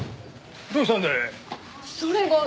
どうしたんだい？